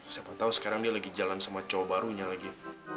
siapa tahu sekarang dia lagi jalan sama cowok barunya lagi